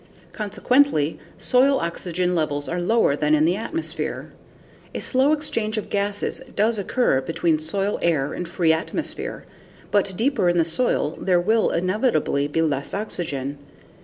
Consequently, soil oxygen levels are lower than in the atmosphere. A slow exchange of gases does occur between soil air and free atmosphere, but deeper in the soil there will inevitably be less oxygen.